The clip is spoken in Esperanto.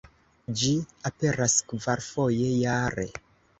Ĝi aperas kvarfoje jare.